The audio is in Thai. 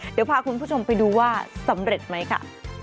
เดี๋ยวพาคุณผู้ชมไปดูว่าสำเร็จไหมค่ะ